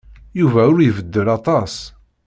Yuba ur ibeddel aṭas.